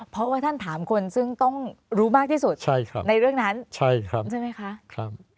เพราะว่าท่านถามคนซึ่งต้องรู้มากที่สุดในเรื่องนั้นใช่ครับใช่ไหมคะ